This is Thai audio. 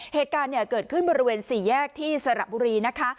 เหตุการณ์เกิดขึ้นบริเวณสี่แยกที่สระบุรีนะคะ